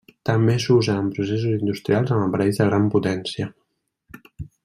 També s'usa en processos industrials amb aparells de gran potència.